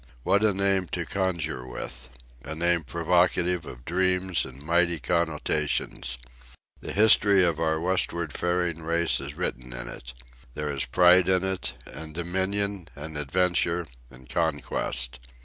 What a name to conjure with! A name provocative of dreams and mighty connotations. The history of our westward faring race is written in it. There is pride in it, and dominion, and adventure, and conquest.